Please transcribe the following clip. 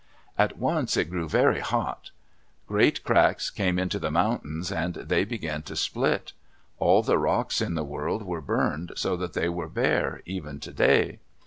At once it grew very hot. Great cracks came into the mountains and they began to split. All the rocks in the world were burned so that they are bare, even today.